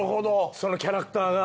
そのキャラクターが？